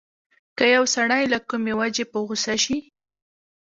که يو سړی له کومې وجې په غوسه شي.